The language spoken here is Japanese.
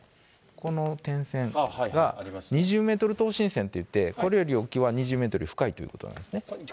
この点線が２０メートル等深線といって、これより沖は２０メートルより深いということなんですね。